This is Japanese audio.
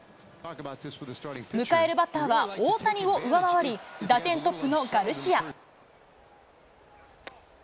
迎えるバッターは大谷を上回り、打点トップのガルシア。